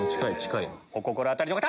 お心当たりの方！